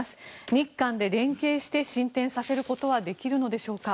日韓で連携して進展させることはできるのでしょうか。